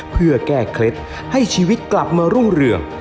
เพื่อแก้เคล็ดให้ชีวิตกลับมารุ่งเรือง